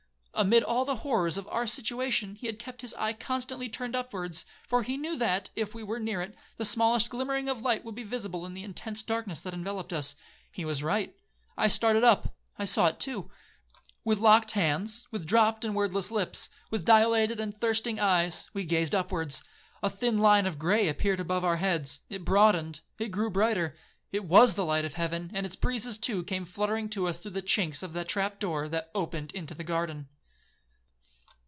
Amid all the horrors of our situation, he had kept his eye constantly turned upwards, for he knew that, if we were near it, the smallest glimmering of light would be visible in the intense darkness that enveloped us. He was right. I started up,—I saw it too. With locked hands, with dropt and wordless lips, with dilated and thirsting eyes, we gazed upwards. A thin line of grey light appeared above our heads. It broadened, it grew brighter,—it was the light of heaven, and its breezes too came fluttering to us through the chinks of the trap door that opened into the garden.'